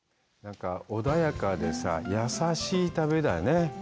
穏やかでさ、優しい旅だよね。